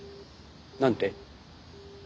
何て？